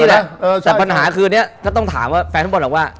แต่ปัญหาคือเนี่ยถ้าต้องถามว่าแฟนทุกคนบอกว่า